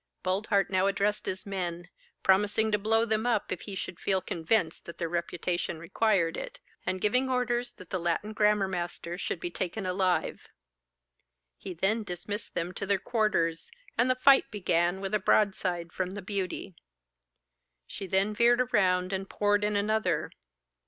Boldheart now addressed his men, promising to blow them up if he should feel convinced that their reputation required it, and giving orders that the Latin grammar master should be taken alive. He then dismissed them to their quarters, and the fight began with a broadside from 'The Beauty.' She then veered around, and poured in another.